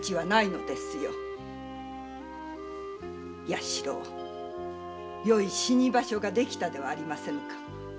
弥四郎よい死に場所ができたではありませぬか。